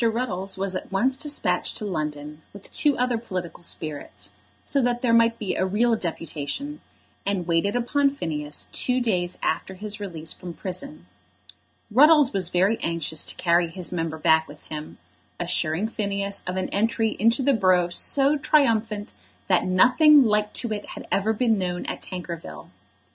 Ruddles was at once despatched to London with two other political spirits, so that there might be a real deputation, and waited upon Phineas two days after his release from prison. Ruddles was very anxious to carry his member back with him, assuring Phineas of an entry into the borough so triumphant that nothing like to it had ever been known at Tankerville.